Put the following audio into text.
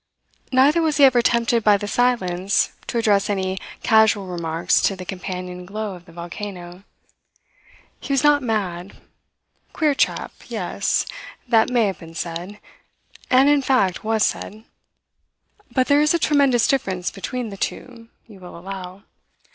Neither was he ever tempted by the silence to address any casual remarks to the companion glow of the volcano. He was not mad. Queer chap yes, that may have been said, and in fact was said; but there is a tremendous difference between the two, you will allow.